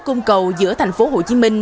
cung cầu giữa thành phố hồ chí minh